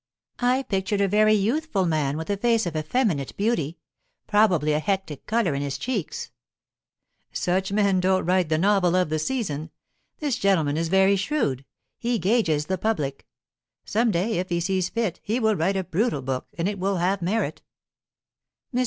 "I pictured a very youthful man, with a face of effeminate beauty probably a hectic colour in his cheeks." "Such men don't write 'the novel of the season.' This gentleman is very shrewd; he gauges the public. Some day, if he sees fit, he will write a brutal book, and it will have merit." Mr.